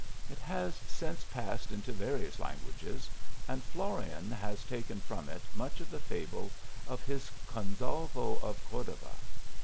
It has since passed into various languages, and Florian has taken from it much ol the fable of his Gonsalvo of Cordova.